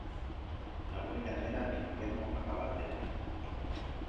La buena hilandera, en invierno acaba la tela.